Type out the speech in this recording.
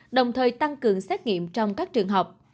đồng thời tăng cường xét nghiệm trong các trường học